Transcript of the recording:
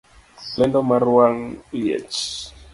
Lendo mar wang' liech